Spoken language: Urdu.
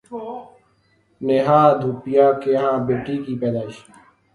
نیہا دھوپیا کے ہاں بیٹی کی پیدائش